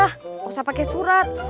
gak usah pakai surat